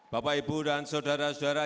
bapak ibu dan saudara saudara